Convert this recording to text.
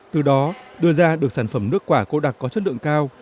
từ đó đưa ra được sản phẩm nước quả cô đặc có chất lượng cao